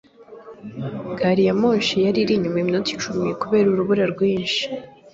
Gari ya moshi yari inyuma yiminota icumi kubera urubura rwinshi.